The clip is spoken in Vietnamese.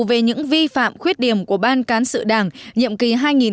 về những vi phạm khuyết điểm của ban cán sự đảng nhiệm kỳ hai nghìn một mươi một hai nghìn một mươi sáu